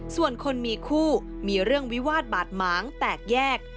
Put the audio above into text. ส่วนคนมีคู่มีเรื่องวิวาสบาดหมางแตกแยก